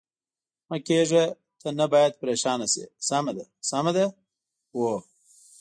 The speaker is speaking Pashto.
مه کېږه، ته نه باید پرېشانه شې، سمه ده، سمه ده؟ هو.